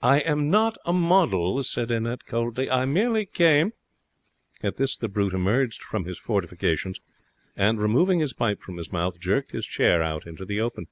'I am not a model,' said Annette, coldly. 'I merely came ' At this the Brute emerged from his fortifications and, removing his pipe from his mouth, jerked his chair out into the open.